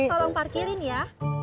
mas tolong parkirin ya